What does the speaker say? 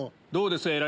どうです？